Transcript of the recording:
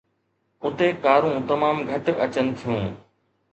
اتي ڪارون تمام گهٽ اچن ٿيون.